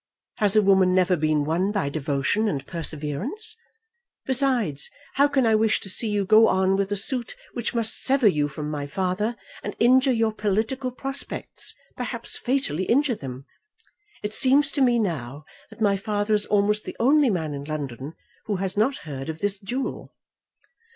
Has a woman never been won by devotion and perseverance? Besides, how can I wish to see you go on with a suit which must sever you from my father, and injure your political prospects; perhaps fatally injure them? It seems to me now that my father is almost the only man in London who has not heard of this duel."